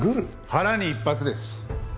腹に１発です。